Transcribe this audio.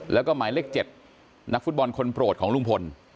แล้วก็หมายเลข๗นักฟุตบอลคนโปรดของลุงพล